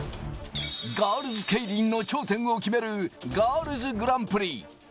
ガールズケイリンの頂点を決める、ガールズグランプリ。